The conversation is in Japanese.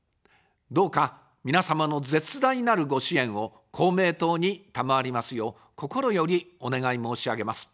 どうか皆様の絶大なるご支援を公明党に賜りますよう、心よりお願い申し上げます。